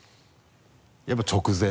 やっぱ直前。